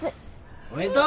おめでとう！